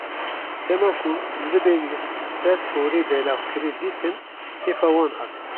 Dema ku libên li ser torê belavkirî, dîtin kêfa wan hat.